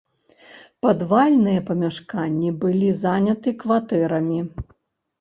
Падвальныя памяшканні былі заняты кватэрамі.